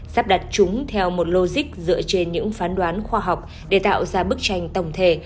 sắp đặt chúng theo một logic dựa trên những phán đoán khoa học để tạo ra bức tranh tổng thể